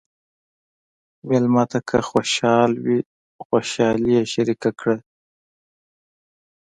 مېلمه ته که خوشحال وي، خوشالي یې شریکه کړه.